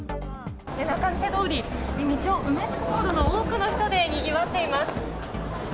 仲見世通り道を埋め尽くすほどの多くの人でにぎわっています。